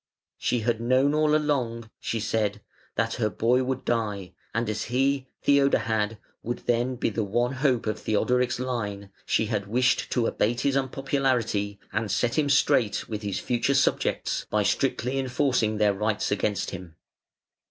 "She had known all along", she said, "that her boy would die, and as he, Theodahad, would then be the one hope of Theodoric's line, she had wished to abate his unpopularity and set him straight with his future subjects by strictly enforcing their rights against him.